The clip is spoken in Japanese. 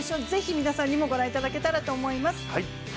是非、皆さんにもご覧いただけたらと思います。